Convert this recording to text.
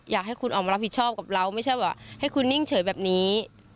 อยากให้คุณออกมารับผิดชอบกับเราไม่ใช่ว่าให้คุณนิ่งเฉยแบบนี้